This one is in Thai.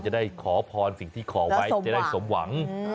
จะได้ขอพรที่ขอไปจะได้สมหวัง